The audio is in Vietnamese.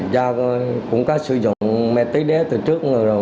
do cũng có sử dụng mét ti đé từ trước người rồi